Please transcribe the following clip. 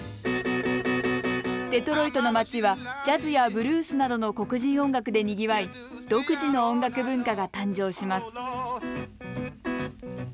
デトロイトの町はジャズやブルースなどの黒人音楽でにぎわい独自の音楽文化が誕生します